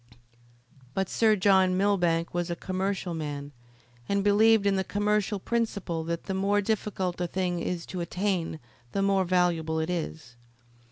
But Sir John Millbank was a commercial man, and believed in the commercial principle that the more difficult a thing is to attain the more valuable it is.